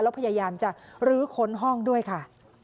แล้วพยายามจะลื้อค้นห้องด้วยค่ะ